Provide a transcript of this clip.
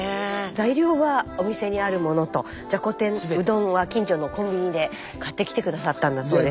材料はお店にあるものとじゃこ天うどんは近所のコンビニで買ってきて下さったんだそうです。